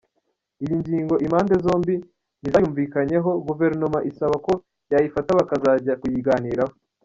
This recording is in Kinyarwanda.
Iyi ngingo impande zombi ntizayumvikanyeho, Guverinoma isaba ko yayifata bakazajya kuyiganiraho.